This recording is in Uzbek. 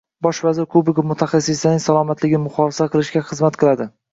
“Bosh vazir kubogi” mutaxassislarning salomatligini muhofaza qilishga xizmat qilading